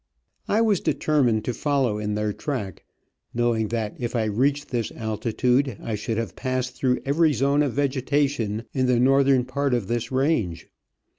I was determined to follow in their track, knowing that if I reached this altitude I should have passed through every zone of vegetation in the northern part of this range.